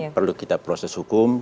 perlu kita proses hukum